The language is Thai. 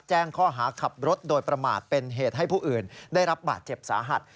แจ้งข้อหาขับรถโดยประมาทเป็นเหตุให้ผู้อื่นได้รับบาดเจ็บสาหัส